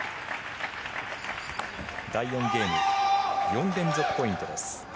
第４ゲーム４連続ポイントです。